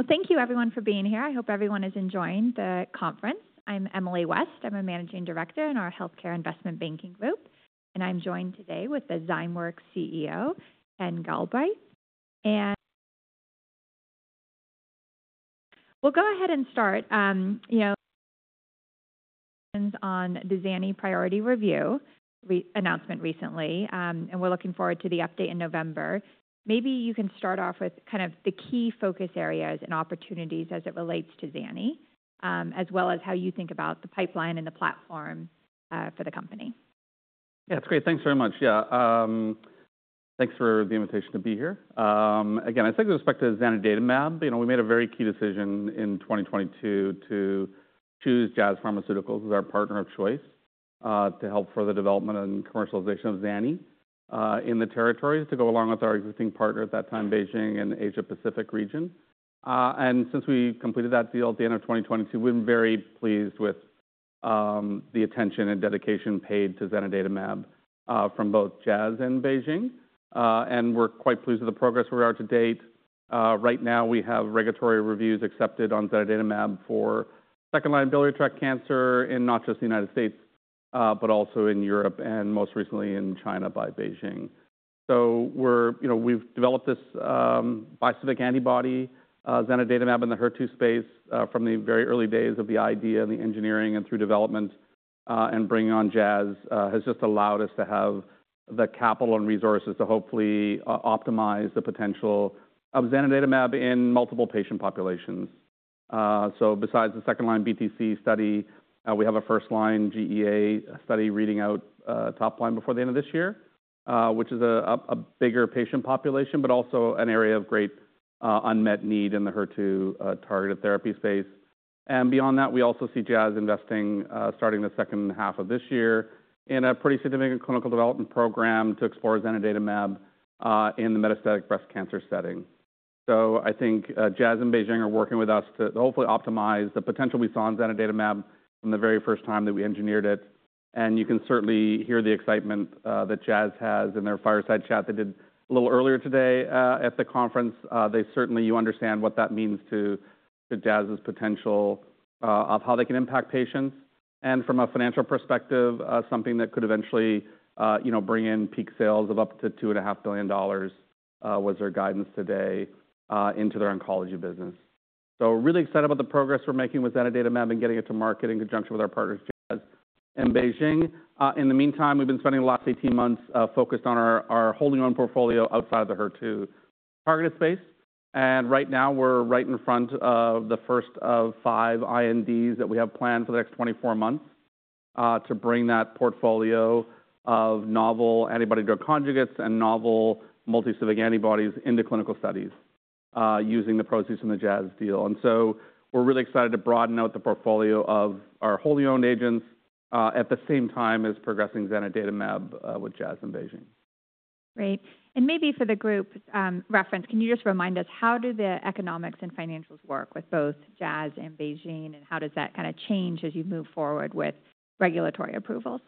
Great. Well, thank you, everyone, for being here. I hope everyone is enjoying the conference. I'm Emily West. I'm a Managing Director in our healthcare investment banking group, and I'm joined today with the Zymeworks CEO, Ken Galbraith. We'll go ahead and start, you know, on the Zani priority review announcement recently, and we're looking forward to the update in November. Maybe you can start off with kind of the key focus areas and opportunities as it relates to Zani, as well as how you think about the pipeline and the platform, for the company. Yeah, that's great. Thanks very much. Yeah, thanks for the invitation to be here. Again, I think with respect to zanidatamab, you know, we made a very key decision in 2022 to choose Jazz Pharmaceuticals as our partner of choice, to help further development and commercialization of zanidatamab, in the territories to go along with our existing partner at that time, BeiGene in Asia-Pacific region. And since we completed that deal at the end of 2022, we've been very pleased with the attention and dedication paid to zanidatamab from both Jazz and BeiGene. And we're quite pleased with the progress we are to date. Right now, we have regulatory reviews accepted on zanidatamab for second-line biliary tract cancer in not just the United States, but also in Europe and most recently in China by BeiGene. So we're, you know, we've developed this bispecific antibody, zanidatamab in the HER2 space, from the very early days of the idea and the engineering and through development, and bringing on Jazz has just allowed us to have the capital and resources to hopefully optimize the potential of zanidatamab in multiple patient populations. So besides the second-line BTC study, we have a first-line GEA study reading out, top line before the end of this year, which is a bigger patient population, but also an area of great unmet need in the HER2 targeted therapy space. And beyond that, we also see Jazz investing, starting the second half of this year in a pretty significant clinical development program to explore zanidatamab in the metastatic breast cancer setting. So I think, Jazz and BeiGene are working with us to hopefully optimize the potential we saw in zanidatamab from the very first time that we engineered it. And you can certainly hear the excitement that Jazz has in their fireside chat they did a little earlier today at the conference. They certainly, you understand what that means to, to Jazz's potential of how they can impact patients. And from a financial perspective, something that could eventually, you know, bring in peak sales of up to $2.5 billion was their guidance today into their oncology business. So really excited about the progress we're making with zanidatamab and getting it to market in conjunction with our partners Jazz and BeiGene. In the meantime, we've been spending the last 18 months focused on our 5x5 portfolio outside of the HER2 targeted space. Right now, we're right in front of the first of five INDs that we have planned for the next 24 months, to bring that portfolio of novel antibody-drug conjugates and novel multispecific antibodies into clinical studies, using the proceeds from the Jazz deal. So we're really excited to broaden out the portfolio of our wholly owned agents, at the same time as progressing zanidatamab with Jazz and BeiGene. Great. And maybe for the group, reference, can you just remind us, how do the economics and financials work with both Jazz and BeiGene, and how does that kind of change as you move forward with regulatory approvals?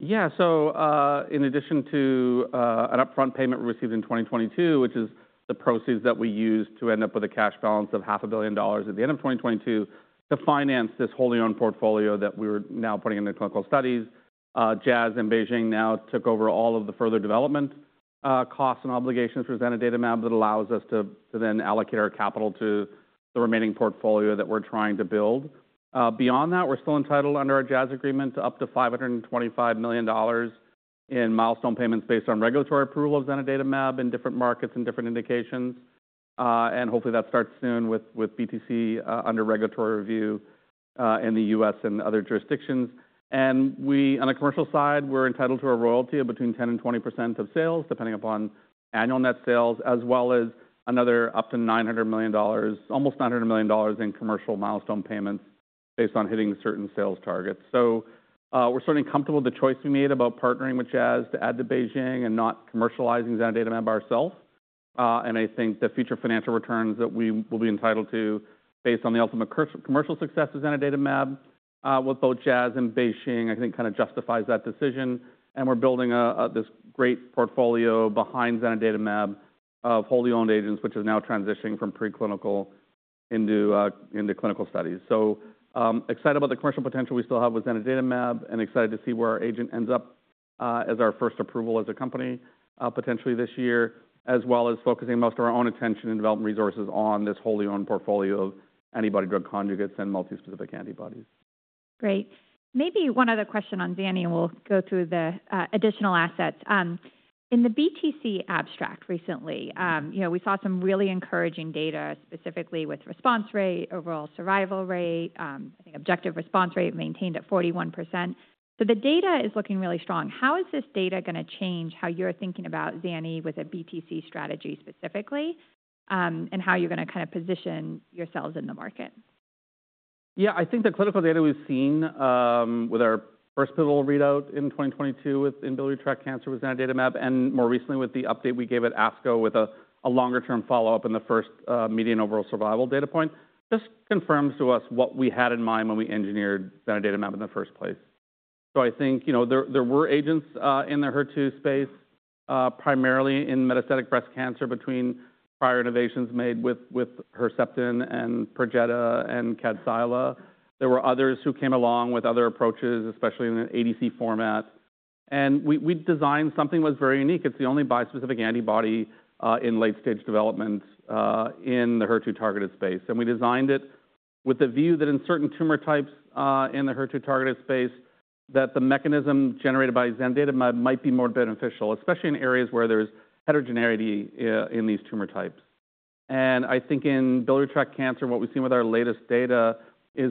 Yeah, so, in addition to an upfront payment we received in 2022, which is the proceeds that we used to end up with a cash balance of $500 million at the end of 2022 to finance this wholly owned portfolio that we were now putting into clinical studies, Jazz and BeiGene now took over all of the further development, costs and obligations for zanidatamab that allows us to then allocate our capital to the remaining portfolio that we're trying to build. Beyond that, we're still entitled under our Jazz agreement to up to $525 million in milestone payments based on regulatory approval of zanidatamab in different markets and different indications. Hopefully that starts soon with BTC under regulatory review in the U.S. and other jurisdictions. And we, on the commercial side, we're entitled to a royalty of between 10%-20% of sales, depending upon annual net sales, as well as another up to $900 million, almost $900 million in commercial milestone payments based on hitting certain sales targets. So, we're certainly comfortable with the choice we made about partnering with Jazz to add to BeiGene and not commercializing zanidatamab by ourselves. And I think the future financial returns that we will be entitled to based on the ultimate commercial success of zanidatamab, with both Jazz and BeiGene, I think kind of justifies that decision. And we're building a great portfolio behind zanidatamab of wholly owned agents, which is now transitioning from preclinical into clinical studies. So, excited about the commercial potential we still have with zanidatamab and excited to see where our agent ends up, as our first approval as a company, potentially this year, as well as focusing most of our own attention and development resources on this wholly owned portfolio of antibody-drug conjugates and multispecific antibodies. Great. Maybe one other question on Zani, and we'll go through the additional assets in the BTC abstract recently, you know, we saw some really encouraging data, specifically with response rate, overall survival rate, I think objective response rate maintained at 41%. So the data is looking really strong. How is this data going to change how you're thinking about Zani with a BTC strategy specifically, and how you're going to kind of position yourselves in the market? Yeah, I think the clinical data we've seen, with our first pivotal readout in 2022 within biliary tract cancer with zanidatamab and more recently with the update we gave at ASCO with a longer-term follow-up in the first median overall survival data point, just confirms to us what we had in mind when we engineered zanidatamab in the first place. So I think, you know, there were agents in the HER2 space, primarily in metastatic breast cancer between prior innovations made with Herceptin and Perjeta and Kadcyla. There were others who came along with other approaches, especially in an ADC format. And we designed something that was very unique. It's the only bispecific antibody in late-stage development in the HER2 targeted space. We designed it with the view that in certain tumor types, in the HER2 targeted space, that the mechanism generated by zanidatamab might be more beneficial, especially in areas where there's heterogeneity, in these tumor types. I think in biliary tract cancer, what we've seen with our latest data is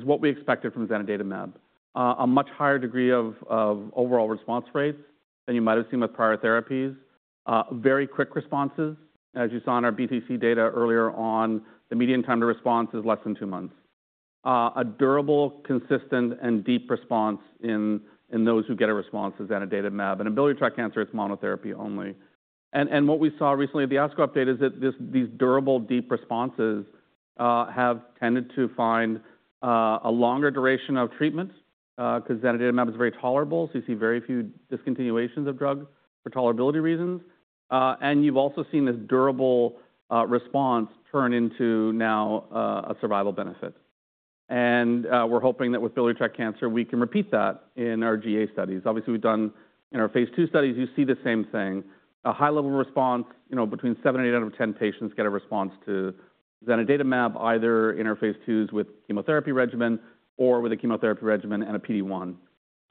what we expected from zanidatamab, a much higher degree of overall response rates than you might've seen with prior therapies, very quick responses, as you saw in our BTC data earlier on, the median time to response is less than two months, a durable, consistent, and deep response in those who get a response to zanidatamab. In biliary tract cancer, it's monotherapy only. What we saw recently at the ASCO update is that these durable, deep responses have tended to find a longer duration of treatment, because zanidatamab is very tolerable. So you see very few discontinuations of drug for tolerability reasons. You've also seen this durable response turn into now a survival benefit. We're hoping that with biliary tract cancer, we can repeat that in our GEA studies. Obviously, we've done in our phase II studies; you see the same thing, a high level of response, you know, between 7 and 8 out of 10 patients get a response to zanidatamab, either in our phase IIs with chemotherapy regimen or with a chemotherapy regimen and a PD-1.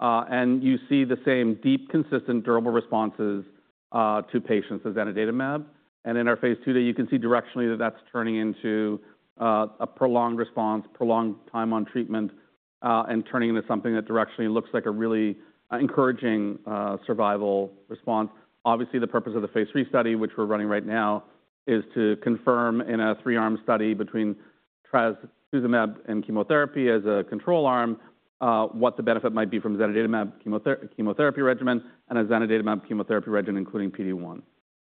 And you see the same deep, consistent, durable responses to patients of zanidatamab. And in our phase II data, you can see directionally that that's turning into a prolonged response, prolonged time on treatment, and turning into something that directionally looks like a really encouraging survival response. Obviously, the purpose of the phase III study, which we're running right now, is to confirm in a 3-arm study between trastuzumab and chemotherapy as a control arm, what the benefit might be from zanidatamab chemotherapy chemotherapy regimen and a zanidatamab chemotherapy regimen, including PD-1.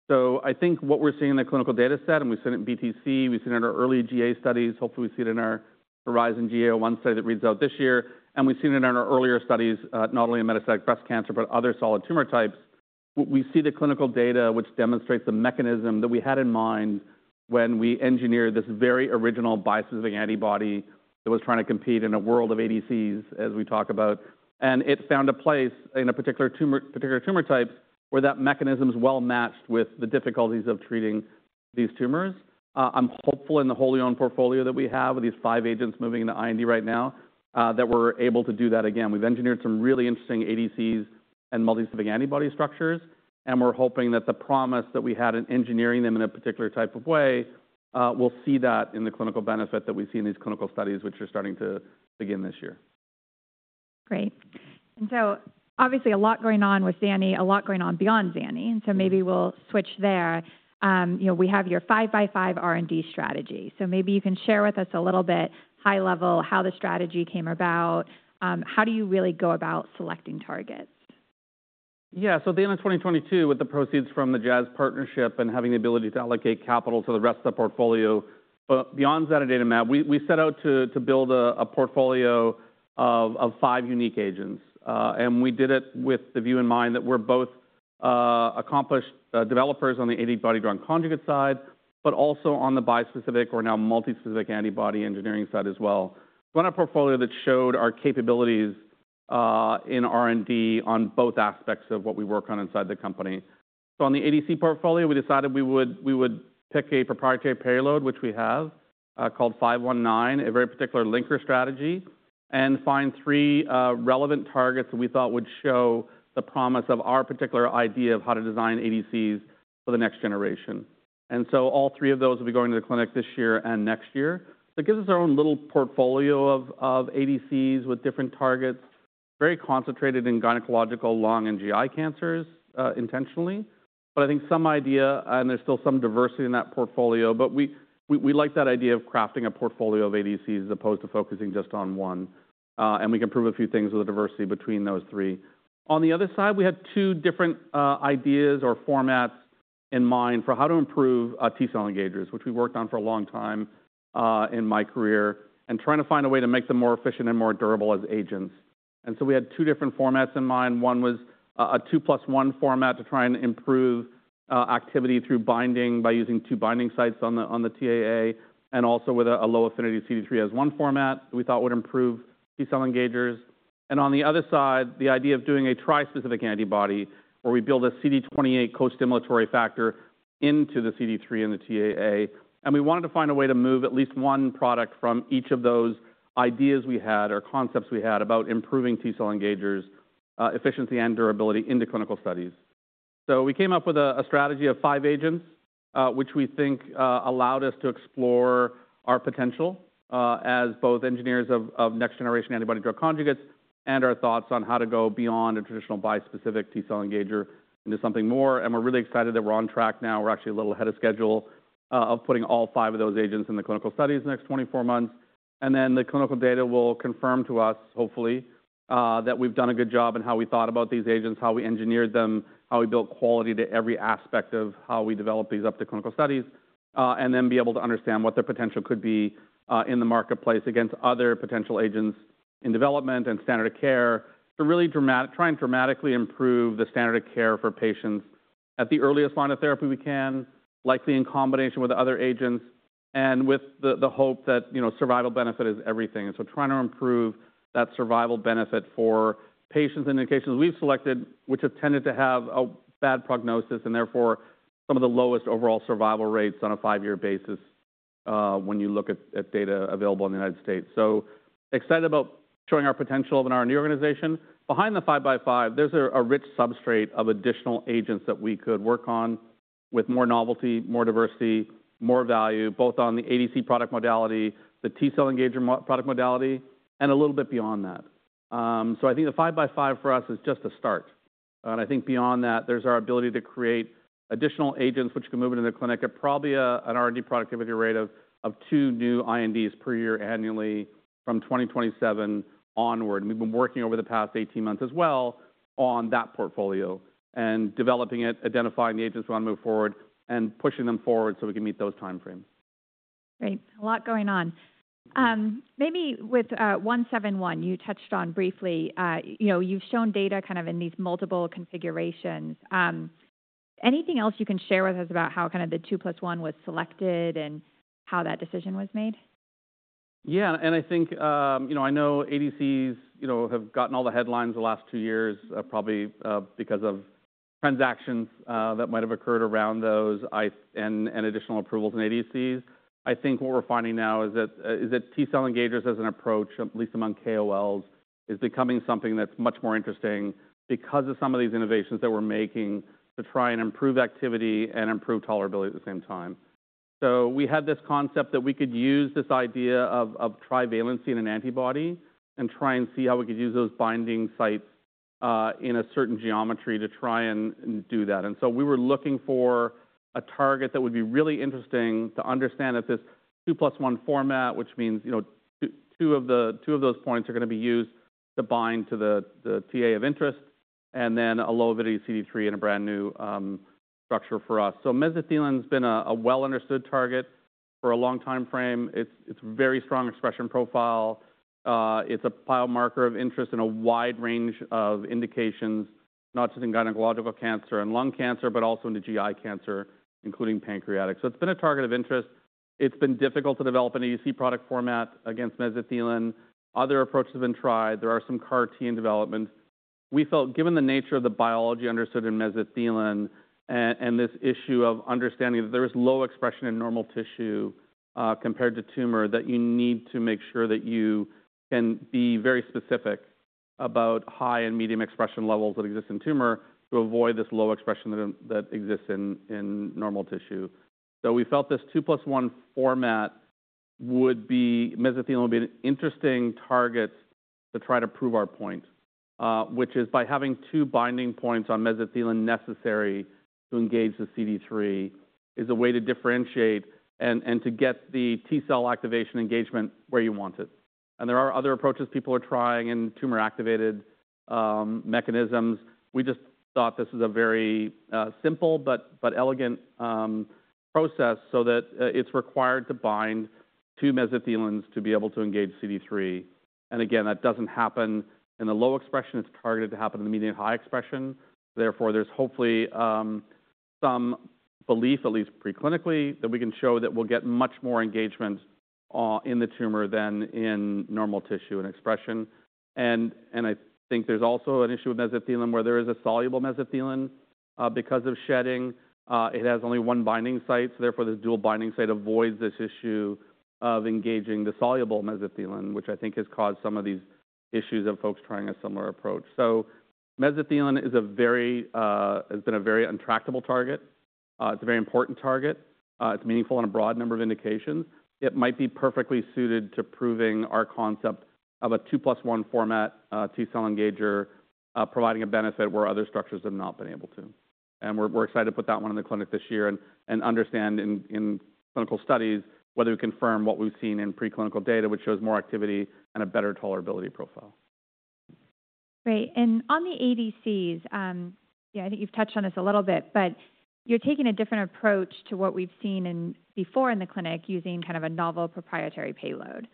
So I think what we're seeing in the clinical data set, and we've seen it in BTC, we've seen it in our early GEA studies, hopefully we see it in our HERIZON-GEA-01 study that reads out this year, and we've seen it in our earlier studies, not only in metastatic breast cancer, but other solid tumor types. We see the clinical data, which demonstrates the mechanism that we had in mind when we engineered this very original bispecific antibody that was trying to compete in a world of ADCs, as we talk about, and it found a place in a particular tumor, particular tumor types where that mechanism's well matched with the difficulties of treating these tumors. I'm hopeful in the wholly owned portfolio that we have with these five agents moving into IND right now, that we're able to do that again. We've engineered some really interesting ADCs and multispecific antibody structures, and we're hoping that the promise that we had in engineering them in a particular type of way, we'll see that in the clinical benefit that we see in these clinical studies, which are starting to begin this year. Great. And so obviously a lot going on with Zani, a lot going on beyond Zani. And so maybe we'll switch there. You know, we have your 5x5 R&D strategy. So maybe you can share with us a little bit high level how the strategy came about. How do you really go about selecting targets? Yeah, so at the end of 2022, with the proceeds from the Jazz partnership and having the ability to allocate capital to the rest of the portfolio, but beyond zanidatamab, we, we set out to, to build a, a portfolio of, of 5 unique agents. And we did it with the view in mind that we're both accomplished developers on the antibody-drug conjugate side, but also on the bispecific or now multispecific antibody engineering side as well. We want a portfolio that showed our capabilities in R&D on both aspects of what we work on inside the company. So on the ADC portfolio, we decided we would, we would pick a proprietary payload, which we have, called 519, a very particular linker strategy, and find 3 relevant targets that we thought would show the promise of our particular idea of how to design ADCs for the next generation. All three of those will be going to the clinic this year and next year. It gives us our own little portfolio of ADCs with different targets, very concentrated in gynecological, lung, and GI cancers, intentionally. But I think some idea, and there's still some diversity in that portfolio, but we like that idea of crafting a portfolio of ADCs as opposed to focusing just on one. And we can prove a few things with the diversity between those three. On the other side, we had two different ideas or formats in mind for how to improve T-cell engagers, which we've worked on for a long time in my career and trying to find a way to make them more efficient and more durable as agents. We had two different formats in mind. One was a 2 + 1 format to try and improve activity through binding by using two binding sites on the TAA and also with a low affinity CD3 as one format that we thought would improve T-cell engagers. On the other side, the idea of doing a trispecific antibody where we build a CD28 co-stimulatory factor into the CD3 and the TAA. We wanted to find a way to move at least one product from each of those ideas we had or concepts we had about improving T-cell engagers' efficiency and durability into clinical studies. We came up with a strategy of five agents, which we think allowed us to explore our potential as both engineers of next generation antibody-drug conjugates and our thoughts on how to go beyond a traditional bispecific T-cell engager into something more. We're really excited that we're on track now. We're actually a little ahead of schedule, of putting all five of those agents in the clinical studies in the next 24 months. Then the clinical data will confirm to us, hopefully, that we've done a good job in how we thought about these agents, how we engineered them, how we built quality to every aspect of how we develop these up to clinical studies, and then be able to understand what their potential could be, in the marketplace against other potential agents in development and standard of care to really dramatic, try and dramatically improve the standard of care for patients at the earliest line of therapy we can, likely in combination with other agents and with the, the hope that, you know, survival benefit is everything. Trying to improve that survival benefit for patients and indications we've selected, which have tended to have a bad prognosis and therefore some of the lowest overall survival rates on a five-year basis, when you look at, at data available in the United States. Excited about showing our potential in our new organization. Behind the 5x5, there's a, a rich substrate of additional agents that we could work on with more novelty, more diversity, more value, both on the ADC product modality, the T-cell engager product modality, and a little bit beyond that. So I think the 5x5 for us is just a start. And I think beyond that, there's our ability to create additional agents, which can move into the clinic, and probably a, an R&D productivity rate of, of two new INDs per year annually from 2027 onward. We've been working over the past 18 months as well on that portfolio and developing it, identifying the agents we want to move forward and pushing them forward so we can meet those timeframes. Great. A lot going on. Maybe with 171, you touched on briefly, you know, you've shown data kind of in these multiple configurations. Anything else you can share with us about how kind of the two plus one was selected and how that decision was made? Yeah, and I think, you know, I know ADCs, you know, have gotten all the headlines the last two years, probably, because of transactions that might've occurred around those, and additional approvals in ADCs. I think what we're finding now is that T-cell engagers as an approach, at least among KOLs, is becoming something that's much more interesting because of some of these innovations that we're making to try and improve activity and improve tolerability at the same time. So we had this concept that we could use this idea of trivalency in an antibody and try and see how we could use those binding sites, in a certain geometry to try and do that. And so we were looking for a target that would be really interesting to understand that this 2 + 1 format, which means, you know, 2, 2 of the, 2 of those points are going to be used to bind to the, the TA of interest and then a low avidity CD3 and a brand new, structure for us. So mesothelin has been a, a well understood target for a long timeframe. It's, it's very strong expression profile. It's a biomarker of interest in a wide range of indications, not just in gynecological cancer and lung cancer, but also into GI cancer, including pancreatic. So it's been a target of interest. It's been difficult to develop an ADC product format against mesothelin. Other approaches have been tried. There are some CAR T in development. We felt, given the nature of the biology understood in mesothelin and this issue of understanding that there is low expression in normal tissue, compared to tumor, that you need to make sure that you can be very specific about high and medium expression levels that exist in tumor to avoid this low expression that exists in normal tissue. So we felt this two plus one format would be. mesothelin would be an interesting target to try to prove our point, which is by having two binding points on mesothelin necessary to engage the CD3 is a way to differentiate and to get the T-cell activation engagement where you want it. And there are other approaches people are trying and tumor-activated mechanisms. We just thought this is a very, simple, but, but elegant, process so that, it's required to bind two mesothelins to be able to engage CD3. And again, that doesn't happen in the low expression. It's targeted to happen in the medium high expression. Therefore, there's hopefully, some belief, at least preclinically, that we can show that we'll get much more engagement, in the tumor than in normal tissue and expression. And, and I think there's also an issue with mesothelin where there is a soluble mesothelin, because of shedding. It has only one binding site. So therefore, this dual binding site avoids this issue of engaging the soluble mesothelin, which I think has caused some of these issues of folks trying a similar approach. So mesothelin is a very, has been a very intractable target. It's a very important target. It's meaningful on a broad number of indications. It might be perfectly suited to proving our concept of a 2+1 format, T-cell engager, providing a benefit where other structures have not been able to. And we're excited to put that one in the clinic this year and understand in clinical studies whether we confirm what we've seen in preclinical data, which shows more activity and a better tolerability profile. Great. And on the ADCs, yeah, I think you've touched on this a little bit, but you're taking a different approach to what we've seen in before in the clinic using kind of a novel proprietary payload.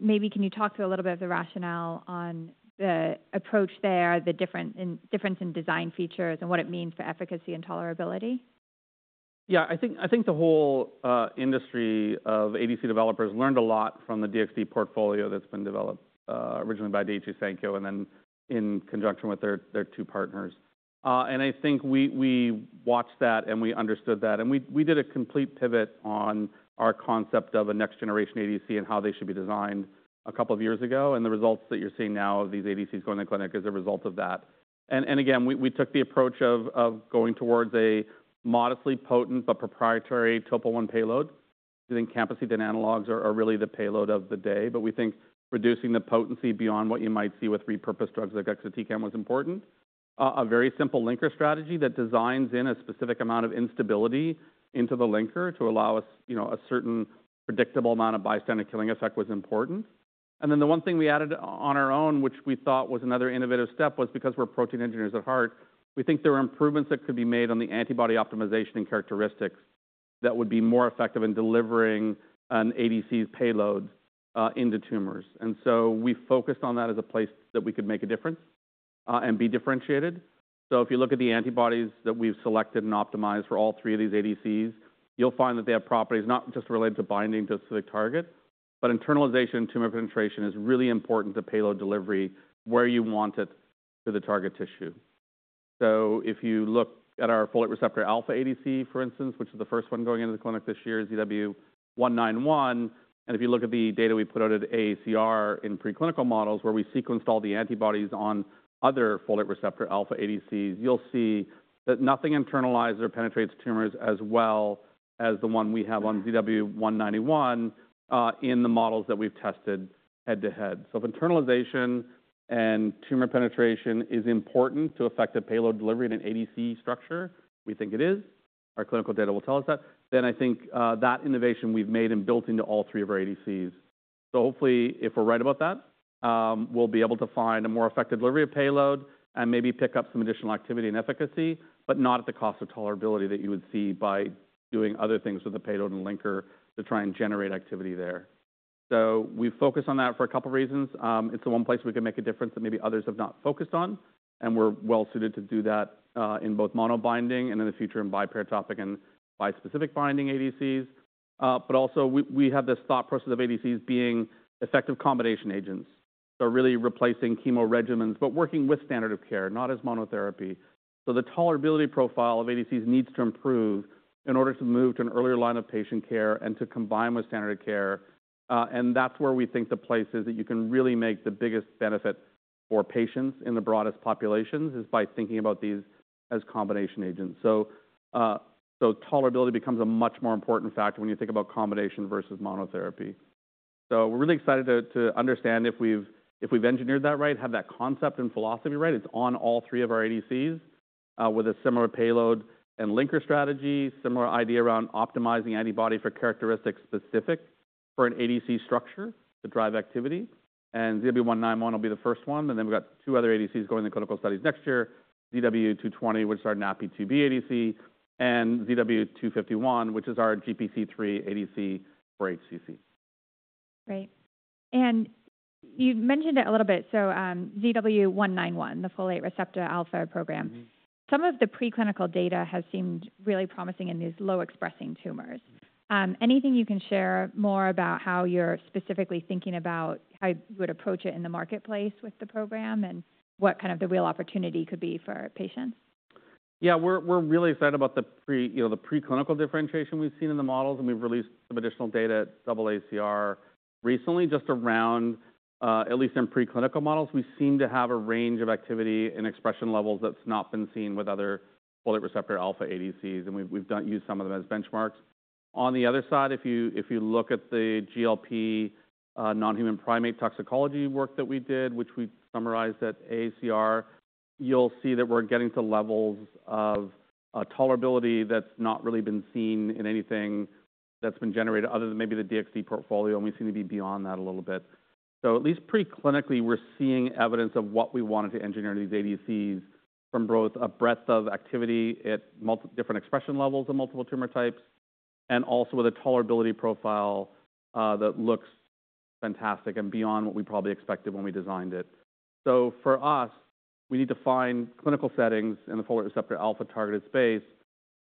Maybe can you talk through a little bit of the rationale on the approach there, the different in difference in design features and what it means for efficacy and tolerability? Yeah, I think, I think the whole industry of ADC developers learned a lot from the DXd portfolio that's been developed, originally by Daiichi Sankyo and then in conjunction with their, their two partners. I think we, we watched that and we understood that. We did a complete pivot on our concept of a next generation ADC and how they should be designed a couple of years ago. The results that you're seeing now of these ADCs going to the clinic is a result of that. Again, we, we took the approach of going towards a modestly potent but proprietary topoisomerase I payload. We think camptothecin analogs are really the payload of the day, but we think reducing the potency beyond what you might see with repurposed drugs like exatecan was important. A very simple linker strategy that designs in a specific amount of instability into the linker to allow us, you know, a certain predictable amount of bystander killing effect was important. And then the one thing we added on our own, which we thought was another innovative step, was because we're protein engineers at heart, we think there are improvements that could be made on the antibody optimization and characteristics that would be more effective in delivering an ADC's payload into tumors. And so we focused on that as a place that we could make a difference, and be differentiated. So if you look at the antibodies that we've selected and optimized for all three of these ADCs, you'll find that they have properties not just related to binding to specific target, but internalization and tumor penetration is really important to payload delivery where you want it to the target tissue. So if you look at our folate receptor alpha ADC, for instance, which is the first one going into the clinic this year, ZW191, and if you look at the data we put out at AACR in preclinical models where we sequenced all the antibodies on other folate receptor alpha ADCs, you'll see that nothing internalized or penetrates tumors as well as the one we have on ZW191, in the models that we've tested head to head. So if internalization and tumor penetration is important to effective payload delivery in an ADC structure, we think it is. Our clinical data will tell us that. Then I think, that innovation we've made and built into all three of our ADCs. So hopefully if we're right about that, we'll be able to find a more effective delivery of payload and maybe pick up some additional activity and efficacy, but not at the cost of tolerability that you would see by doing other things with the payload and linker to try and generate activity there. So we focus on that for a couple of reasons. It's the one place we can make a difference that maybe others have not focused on, and we're well suited to do that, in both monobinding and in the future in biparatopic and bispecific binding ADCs. But also we, we have this thought process of ADCs being effective combination agents. So really replacing chemo regimens, but working with standard of care, not as monotherapy. So the tolerability profile of ADCs needs to improve in order to move to an earlier line of patient care and to combine with standard of care. And that's where we think the place is that you can really make the biggest benefit for patients in the broadest populations is by thinking about these as combination agents. So tolerability becomes a much more important factor when you think about combination versus monotherapy. So we're really excited to understand if we've engineered that right, have that concept and philosophy right. It's on all three of our ADCs, with a similar payload and linker strategy, similar idea around optimizing antibody for characteristics specific for an ADC structure to drive activity. And ZW191 will be the first one. And then we've got two other ADCs going in the clinical studies next year, ZW220, which is our NaPi2b ADC, and ZW251, which is our GPC3 ADC for HCC. Great. And you mentioned it a little bit. So, ZW191, the folate receptor alpha program, some of the preclinical data has seemed really promising in these low expressing tumors. Anything you can share more about how you're specifically thinking about how you would approach it in the marketplace with the program and what kind of the real opportunity could be for patients? Yeah, we're really excited about the preclinical differentiation we've seen in the models. And we've released some additional data at AACR recently, just around, at least in preclinical models, we seem to have a range of activity and expression levels that's not been seen with other folate receptor alpha ADCs. And we've used some of them as benchmarks. On the other side, if you look at the GLP non-human primate toxicology work that we did, which we summarized at AACR, you'll see that we're getting to levels of tolerability that's not really been seen in anything that's been generated other than maybe the DXd portfolio. And we seem to be beyond that a little bit. So at least preclinically, we're seeing evidence of what we wanted to engineer these ADCs from both a breadth of activity at multiple different expression levels of multiple tumor types, and also with a tolerability profile that looks fantastic and beyond what we probably expected when we designed it. So for us, we need to find clinical settings in the folate receptor alpha targeted space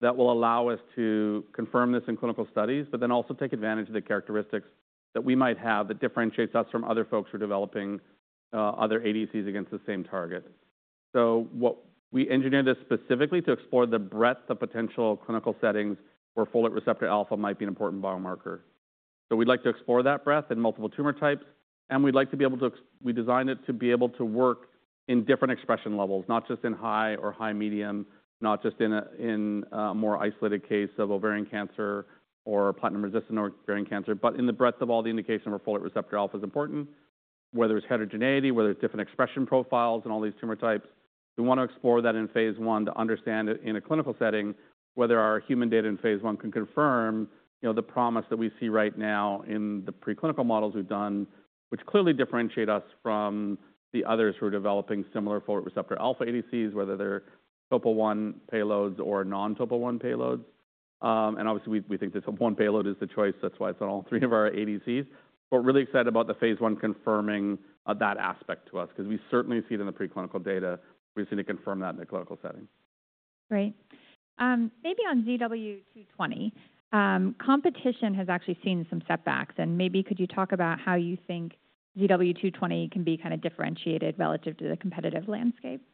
that will allow us to confirm this in clinical studies, but then also take advantage of the characteristics that we might have that differentiates us from other folks who are developing other ADCs against the same target. So what we engineered this specifically to explore the breadth of potential clinical settings where folate receptor alpha might be an important biomarker. So we'd like to explore that breadth in multiple tumor types, and we'd like to be able to, we designed it to be able to work in different expression levels, not just in high or high medium, not just in a, in a more isolated case of ovarian cancer or platinum resistant ovarian cancer, but in the breadth of all the indication where folate receptor alpha is important, whether it's heterogeneity, whether it's different expression profiles in all these tumor types. We want to explore that in phase I to understand in a clinical setting whether our human data in phase I can confirm, you know, the promise that we see right now in the preclinical models we've done, which clearly differentiate us from the others who are developing similar folate receptor alpha ADCs, whether they're topoisomerase I payloads or non-topoisomerase I payloads. Obviously we, we think this one payload is the choice. That's why it's on all three of our ADCs. But we're really excited about the phase I confirming that aspect to us, because we certainly see it in the preclinical data. We've seen it confirm that in the clinical setting. Great. Maybe on ZW220, competition has actually seen some setbacks. And maybe could you talk about how you think ZW220 can be kind of differentiated relative to the competitive landscape? Yeah,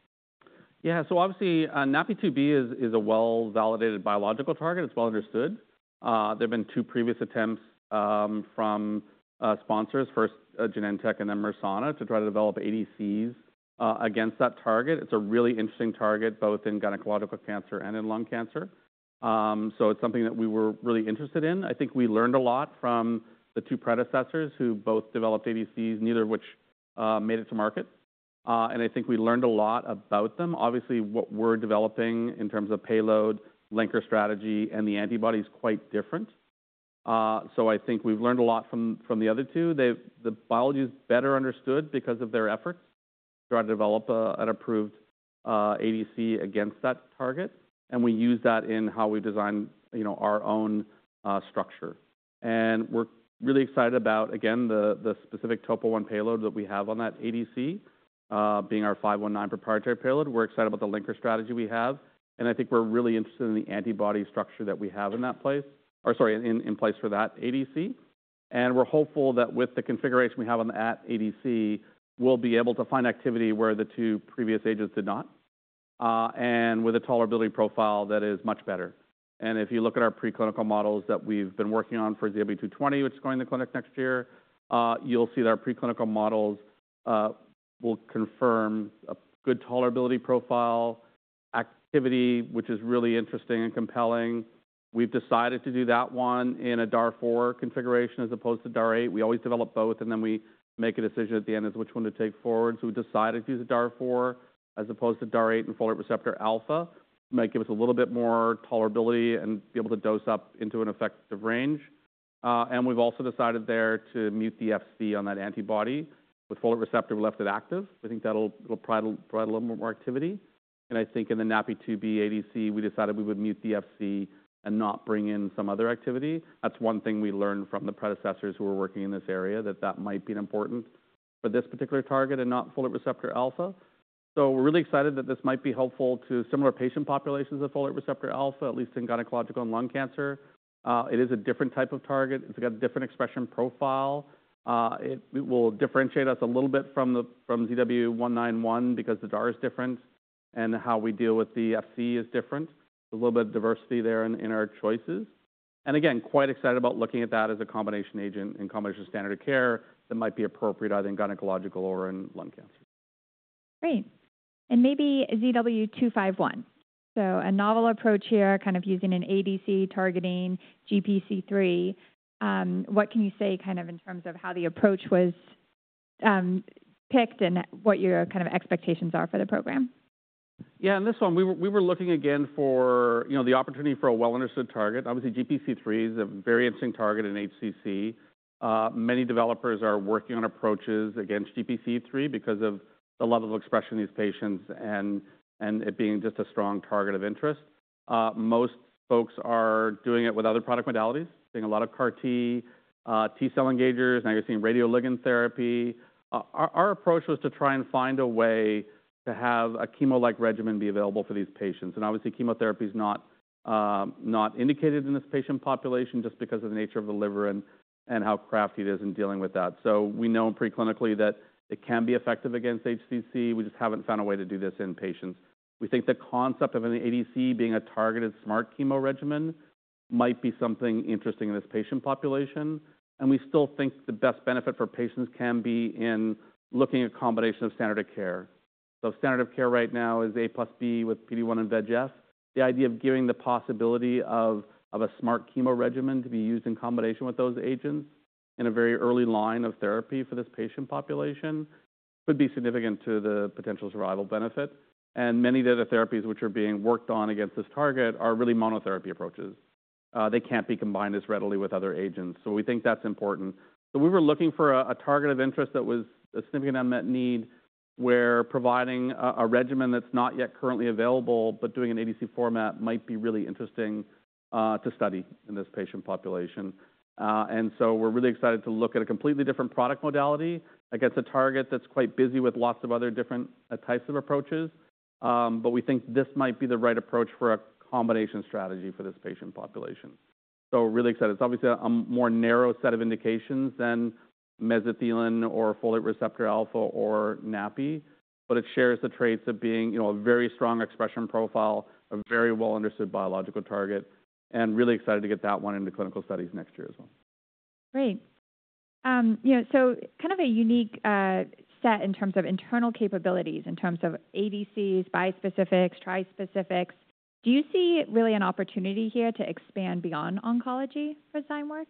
so obviously, NaPi2b is a well validated biological target. It's well understood. There've been two previous attempts from sponsors, first Genentech and then Mersana to try to develop ADCs against that target. It's a really interesting target both in gynecological cancer and in lung cancer. So it's something that we were really interested in. I think we learned a lot from the two predecessors who both developed ADCs, neither of which made it to market. I think we learned a lot about them. Obviously, what we're developing in terms of payload, linker strategy, and the antibody is quite different. So I think we've learned a lot from the other two. The biology is better understood because of their efforts to try to develop an approved ADC against that target. And we use that in how we design, you know, our own structure. We're really excited about, again, the specific topoisomerase I payload that we have on that ADC, being our ZD06519 proprietary payload. We're excited about the linker strategy we have. And I think we're really interested in the antibody structure that we have in place for that ADC. And we're hopeful that with the configuration we have on that ADC, we'll be able to find activity where the two previous agents did not, and with a tolerability profile that is much better. And if you look at our preclinical models that we've been working on for ZW220, which is going in the clinic next year, you'll see that our preclinical models will confirm a good tolerability profile activity, which is really interesting and compelling. We've decided to do that one in a DAR4 configuration as opposed to DAR8. We always develop both, and then we make a decision at the end as which one to take forward. So we decided to use a DAR4 as opposed to DAR8 and folate receptor alpha, might give us a little bit more tolerability and be able to dose up into an effective range. And we've also decided there to mute the Fc on that antibody with folate receptor. We left it active. We think that'll, it'll probably provide a little more activity. And I think in the NaPi2b ADC, we decided we would mute the Fc and not bring in some other activity. That's one thing we learned from the predecessors who were working in this area that that might be important for this particular target and not folate receptor alpha. So we're really excited that this might be helpful to similar patient populations of folate receptor alpha, at least in gynecological and lung cancer. It is a different type of target. It's got a different expression profile. It will differentiate us a little bit from the, from ZW191 because the DAR is different and how we deal with the Fc is different, a little bit of diversity there in, in our choices. And again, quite excited about looking at that as a combination agent and combination standard of care that might be appropriate, either in gynecological or in lung cancer. Great. And maybe ZW251. So a novel approach here, kind of using an ADC targeting GPC3. What can you say kind of in terms of how the approach was picked and what your kind of expectations are for the program? Yeah, on this one, we were looking again for, you know, the opportunity for a well understood target. Obviously, GPC3 is a very interesting target in HCC. Many developers are working on approaches against GPC3 because of the level of expression in these patients and it being just a strong target of interest. Most folks are doing it with other product modalities, being a lot of CAR T, T-cell engagers. Now you're seeing radioligand therapy. Our approach was to try and find a way to have a chemo-like regimen be available for these patients. And obviously, chemotherapy is not indicated in this patient population just because of the nature of the liver and how crafty it is in dealing with that. So we know preclinically that it can be effective against HCC. We just haven't found a way to do this in patients. We think the concept of an ADC being a targeted smart chemo regimen might be something interesting in this patient population. We still think the best benefit for patients can be in looking at a combination of standard of care. Standard of care right now is A plus B with PD-1 and VEGF. The idea of giving the possibility of a smart chemo regimen to be used in combination with those agents in a very early line of therapy for this patient population could be significant to the potential survival benefit. Many of the other therapies which are being worked on against this target are really monotherapy approaches. They can't be combined as readily with other agents. We think that's important. So we were looking for a, a target of interest that was a significant unmet need where providing a, a regimen that's not yet currently available, but doing an ADC format might be really interesting, to study in this patient population. And so we're really excited to look at a completely different product modality against a target that's quite busy with lots of other different types of approaches. But we think this might be the right approach for a combination strategy for this patient population. So really excited. It's obviously a more narrow set of indications than mesothelin or folate receptor alpha or NaPi2b, but it shares the traits of being, you know, a very strong expression profile, a very well understood biological target, and really excited to get that one into clinical studies next year as well. Great. You know, so kind of a unique set in terms of internal capabilities, in terms of ADCs, bispecifics, trispecifics. Do you see really an opportunity here to expand beyond oncology for Zymeworks?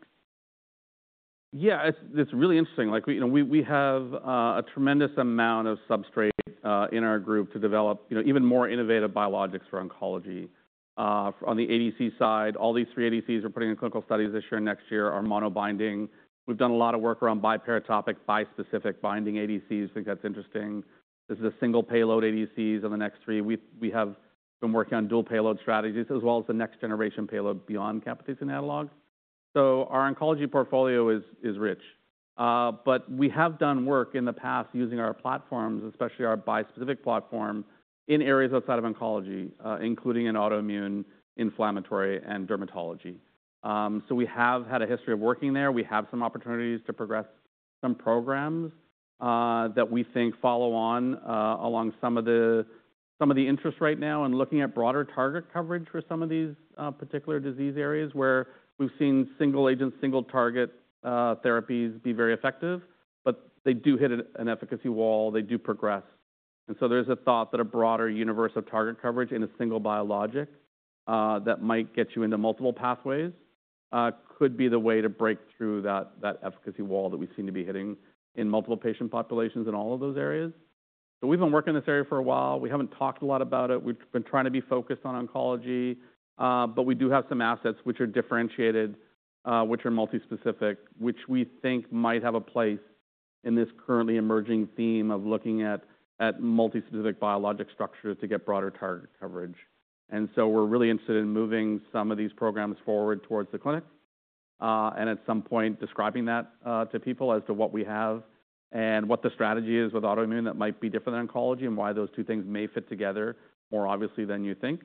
Yeah, it's really interesting. Like we, you know, have a tremendous amount of substrate in our group to develop, you know, even more innovative biologics for oncology. On the ADC side, all these three ADCs are putting in clinical studies this year and next year are monobinding. We've done a lot of work around biparatopic, bispecific binding ADCs. I think that's interesting. This is a single payload ADCs on the next three. We have been working on dual payload strategies as well as the next generation payload beyond camptothecin analog. So our oncology portfolio is rich. But we have done work in the past using our platforms, especially our bispecific platform in areas outside of oncology, including in autoimmune, inflammatory, and dermatology. So we have had a history of working there. We have some opportunities to progress some programs that we think follow on along some of the, some of the interest right now and looking at broader target coverage for some of these particular disease areas where we've seen single agent, single target, therapies be very effective, but they do hit an efficacy wall. They do progress. So there's a thought that a broader universe of target coverage in a single biologic that might get you into multiple pathways could be the way to break through that, that efficacy wall that we seem to be hitting in multiple patient populations in all of those areas. So we've been working in this area for a while. We haven't talked a lot about it. We've been trying to be focused on oncology, but we do have some assets which are differentiated, which are multispecific, which we think might have a place in this currently emerging theme of looking at multispecific biologic structure to get broader target coverage. And so we're really interested in moving some of these programs forward towards the clinic, and at some point describing that to people as to what we have and what the strategy is with autoimmune that might be different than oncology and why those two things may fit together more obviously than you think.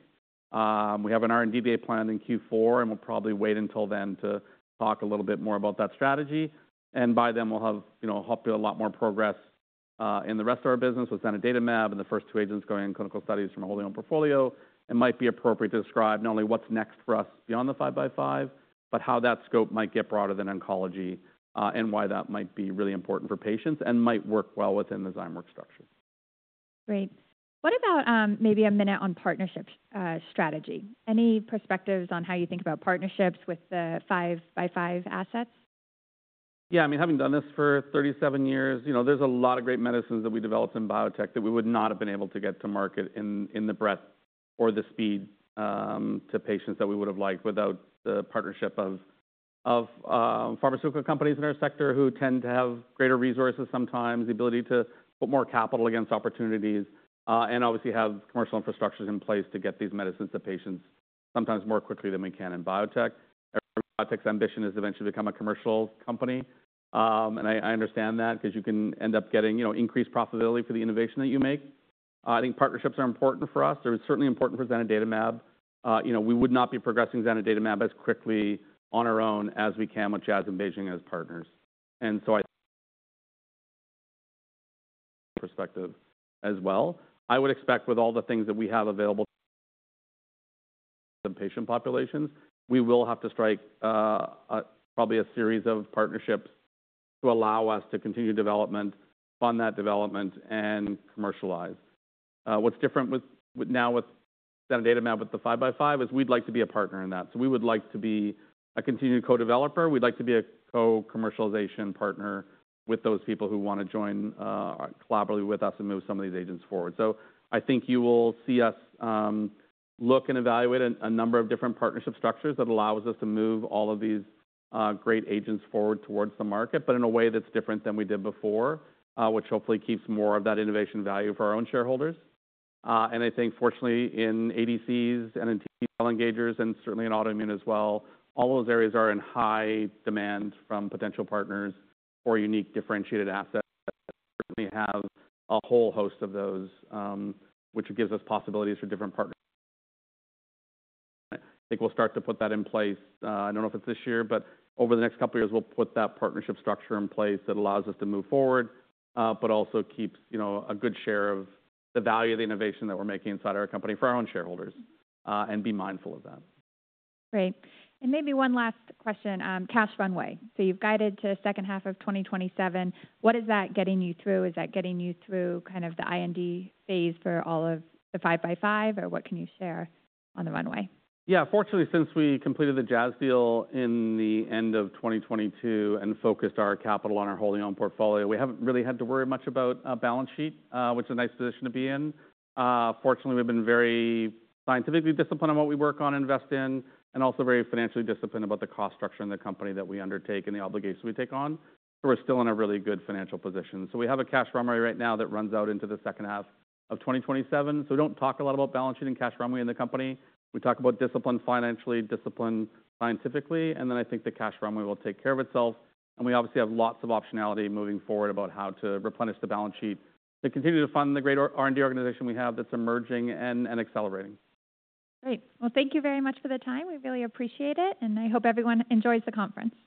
We have an R&D day planned in Q4, and we'll probably wait until then to talk a little bit more about that strategy. By then, we'll have, you know, hopefully a lot more progress in the rest of our business with Zymeworks and zanidatamab and the first two agents going in clinical studies from a whole new portfolio. It might be appropriate to describe not only what's next for us beyond the 5x5, but how that scope might get broader than oncology, and why that might be really important for patients and might work well within the Zymeworks structure. Great. What about, maybe a minute on partnerships, strategy? Any perspectives on how you think about partnerships with the 5x5 assets? Yeah, I mean, having done this for 37 years, you know, there's a lot of great medicines that we developed in biotech that we would not have been able to get to market in, in the breadth or the speed, to patients that we would have liked without the partnership of, of, pharmaceutical companies in our sector who tend to have greater resources sometimes, the ability to put more capital against opportunities, and obviously have commercial infrastructures in place to get these medicines to patients sometimes more quickly than we can in biotech. Our biotech's ambition is to eventually become a commercial company. And I, I understand that because you can end up getting, you know, increased profitability for the innovation that you make. I think partnerships are important for us. They're certainly important for Zymeworks and zanidatamab. You know, we would not be progressing zanidatamab as quickly on our own as we can with Jazz and BeiGene as partners. And so I think perspective as well. I would expect with all the things that we have available to patient populations, we will have to strike, probably a series of partnerships to allow us to continue development, fund that development, and commercialize. What's different with, with now with zanidatamab with the 5x5 is we'd like to be a partner in that. So we would like to be a continued co-developer. We'd like to be a co-commercialization partner with those people who want to join, collaboratively with us and move some of these agents forward. So I think you will see us look and evaluate a number of different partnership structures that allows us to move all of these great agents forward towards the market, but in a way that's different than we did before, which hopefully keeps more of that innovation value for our own shareholders. I think fortunately in ADCs and in T-cell engagers and certainly in autoimmune as well, all those areas are in high demand from potential partners for unique differentiated assets that certainly have a whole host of those, which gives us possibilities for different partners. I think we'll start to put that in place. I don't know if it's this year, but over the next couple of years, we'll put that partnership structure in place that allows us to move forward, but also keeps, you know, a good share of the value of the innovation that we're making inside our company for our own shareholders, and be mindful of that. Great. And maybe one last question, cash runway. So you've guided to the second half of 2027. What is that getting you through? Is that getting you through kind of the IND phase for all of the 5x5, or what can you share on the runway? Yeah, fortunately, since we completed the Jazz deal in the end of 2022 and focused our capital on our wholly owned portfolio, we haven't really had to worry much about a balance sheet, which is a nice position to be in. Fortunately, we've been very scientifically disciplined on what we work on, invest in, and also very financially disciplined about the cost structure in the company that we undertake and the obligations we take on. So we're still in a really good financial position. So we have a cash runway right now that runs out into the second half of 2027. So we don't talk a lot about balance sheet and cash runway in the company. We talk about discipline financially, discipline scientifically, and then I think the cash runway will take care of itself. We obviously have lots of optionality moving forward about how to replenish the balance sheet to continue to fund the great R&D organization we have that's emerging and accelerating. Great. Well, thank you very much for the time. We really appreciate it, and I hope everyone enjoys the conference.